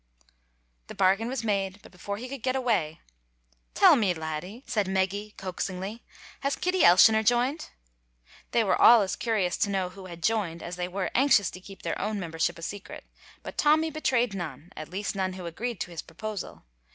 The bargain was made, but before he could get away, "Tell me, laddie," said Meggy, coaxingly, "has Kitty Elshioner joined?" They were all as curious to know who had joined as they were anxious to keep their own membership a secret; but Tommy betrayed none, at least none who agreed to his proposal.